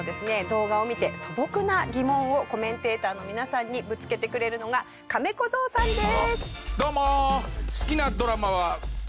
動画を見て素朴な疑問をコメンテーターの皆さんにぶつけてくれるのがカメ小僧さんです。